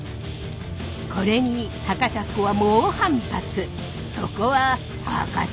これに博多っ子は猛反発！